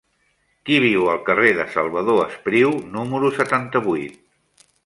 Qui viu al carrer de Salvador Espriu número setanta-vuit?